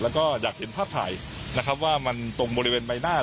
แล้วก็อยากเห็นภาพถ่ายนะครับว่ามันตรงบริเวณใบหน้า